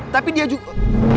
tapi dia juga